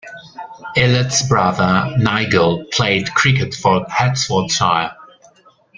Ilott's brother, Nigel played cricket for Hertfordshire.